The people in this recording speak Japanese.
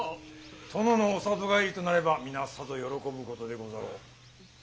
殿のお里帰りとなれば皆さぞ喜ぶことでござろう。